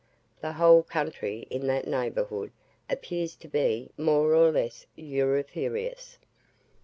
The whole country in that neighbourhood appears to be more or less auriferous.